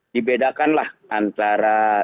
dibedakan lah antara